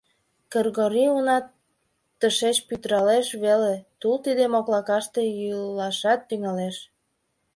Кыргорий уна тышеч пӱтыралеш веле — тул тиде моклакаште йӱлашат тӱҥалеш.